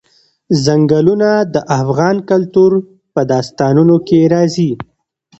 ځنګلونه د افغان کلتور په داستانونو کې راځي.